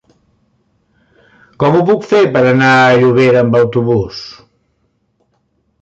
Com ho puc fer per anar a Llobera amb autobús?